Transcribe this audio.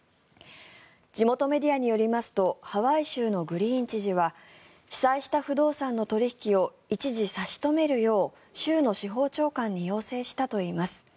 地元メディアによりますとハワイ州のグリーン知事は被災した不動産の取引を一時、差し止めるよう州の司法長官に要請したといいます。